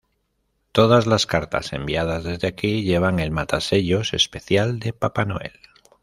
Todas las cartas enviadas desde aquí llevan el matasellos especial de Papá Noel.